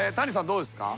どうですか？